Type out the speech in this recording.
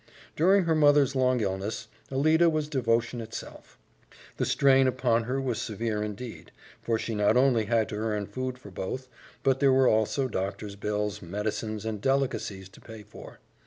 During her mother's long illness Alida was devotion itself. The strain upon her was severe indeed, for she not only had to earn food for both, but there were also doctor's bills, medicines, and delicacies to pay for.